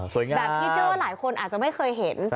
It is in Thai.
แบบที่เชื่อว่าหลายคนอาจจะไม่เคยเห็น